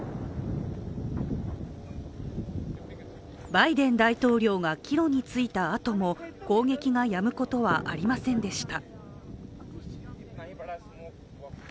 バイデン大統領が帰路についたあとも攻撃がやむことは、ありませんでした。